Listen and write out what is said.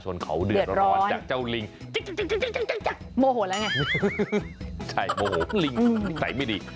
ใช่โมโหลิงใส่ไม่ดี